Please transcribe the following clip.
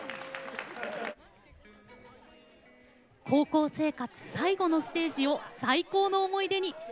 高校生活最後のステージを最高の思い出に。